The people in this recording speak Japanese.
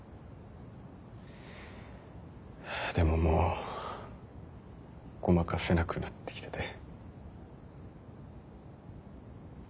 でももうごまかせなくなってきてて。